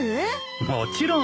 もちろん。